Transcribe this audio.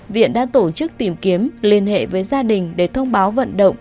viện đã tổ chức tìm kiếm liên hệ với gia đình để thông báo vận động